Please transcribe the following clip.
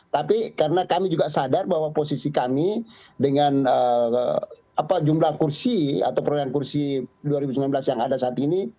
tapi karena kami juga sadar bahwa posisi kami dengan jumlah kursi atau perolehan kursi dua ribu sembilan belas yang ada saat ini